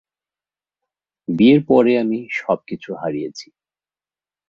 বিয়ের পরে আমি সব কিছু হারিয়েছি।